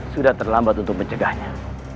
sudah terlambat untuk mencegahnya